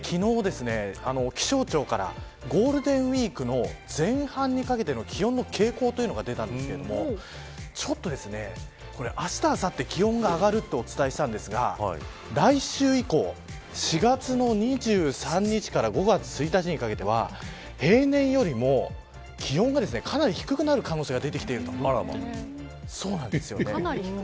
そして昨日、気象庁からゴールデンウイークの前半にかけての気温の傾向というのが出たんですけれどもちょっとこれ、あしたあさって気温が上がるとお伝えしたんですが来週以降４月２３日から５月１日にかけては平年よりも気温がかなり低くなる可能性が出てきていると。